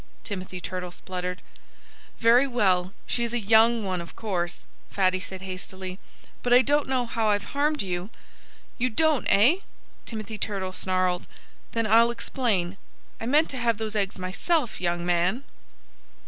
Timothy Turtle spluttered. "Very well! She's a young one, of course," Fatty said hastily. "But I don't know how I've harmed you." "You don't, eh?" Timothy Turtle snarled. "Then I'll explain. I meant to have those eggs myself, young man!"